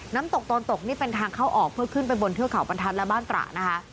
น้ำตกโตนตกนี่เป็นทางเข้าออกเพื่อขึ้นไปบนเทือกเขาบรรทัศน์และบ้านตระนะคะ